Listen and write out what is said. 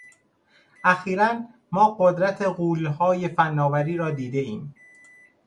اخیرا ما قدرت غولهای فنآوری را دیدهایم